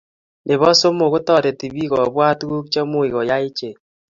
nebo somok, kotoreti biik kobwat tuguk chemuch koyait iche